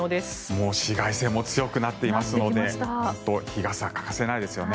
もう紫外線も強くなっていますので日傘、欠かせないですよね。